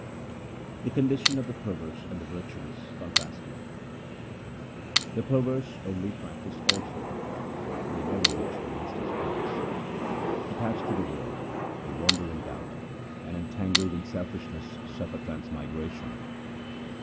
The condition of the perverse and the virtuous contrasted :— The perverse only practise falsehood ; They never reach the Master's palace. Attached to the world they wander in doubt, And entangled in selfishness suffer transmigration.